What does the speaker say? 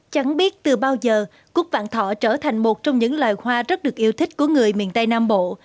chẳng biết từ bao giờ cút vạn thọ trở thành một trong những loài hoa rất được yêu thích của người miền tây nam bộ